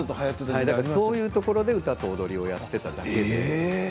そういうところで歌と踊りをやっていました。